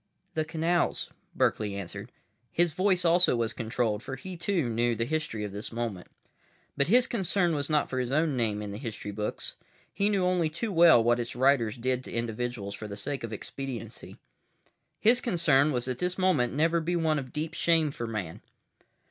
"The canals," Berkeley answered. His voice also was controlled, for he, too, knew the history of this moment. But his concern was not for his own name in the history books. He knew only too well what its writers did to individuals for the sake of expediency. His concern was that this moment never be one of deep shame for Man.